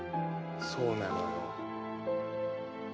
そうなのよ。